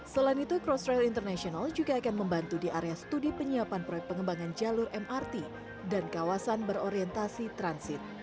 selain itu cross rail international juga akan membantu di area studi penyiapan proyek pengembangan jalur mrt dan kawasan berorientasi transit